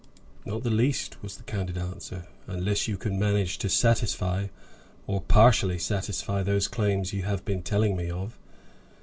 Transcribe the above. "Not the least," was the candid answer, "unless you can manage to satisfy or partially satisfy those claims you have been telling me of.